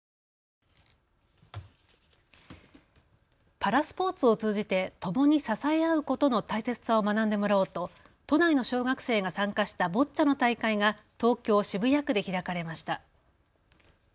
パラスポーツを通じてともに支え合うことの大切さを学んでもらおうと都内の小学生が参加したボッチャの大会が東京渋谷区で開かれました。